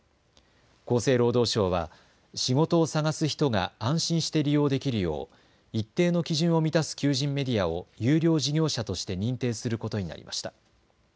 厚生労働省は仕事を探す人が安心して利用できるよう一定の基準を満たす求人メディアを優良事業者として認定することになりました。